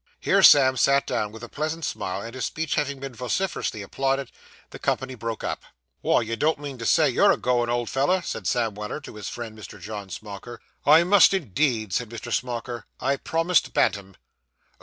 Here Sam sat down with a pleasant smile, and his speech having been vociferously applauded, the company broke up. 'Wy, you don't mean to say you're a goin' old feller?' said Sam Weller to his friend, Mr. John Smauker. 'I must, indeed,' said Mr. Smauker; 'I promised Bantam.